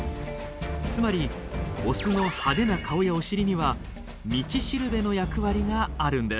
つまりオスの派手な顔やお尻には道しるべの役割があるんです。